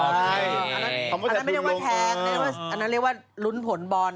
อันนั้นไม่เรียกว่าแพงอันนั้นเรียกว่าลุ้นผลบอล